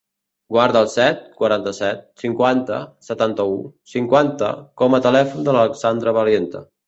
Guarda el set, quaranta-set, cinquanta, setanta-u, cinquanta com a telèfon de l'Alexandra Valiente.